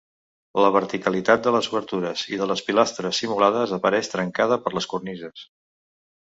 La verticalitat de les obertures i de les pilastres simulades apareix trencada per les cornises.